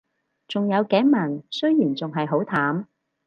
仲有頸紋，雖然仲係好淡